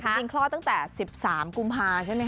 คลอดตั้งแต่๑๓กุมภาใช่ไหมค